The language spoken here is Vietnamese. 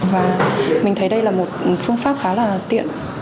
và mình thấy đây là một phương pháp khá là tiện